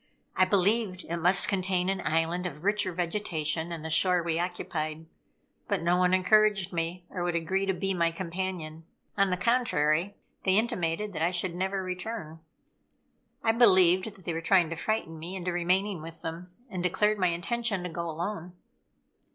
I believed it must contain an island of richer vegetation than the shore we occupied. But no one encouraged me or would agree to be my companion. On the contrary, they intimated that I should never return. I believed that they were trying to frighten me into remaining with them, and declared my intention to go alone.